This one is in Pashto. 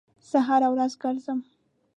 زه هره ورځ ګرځم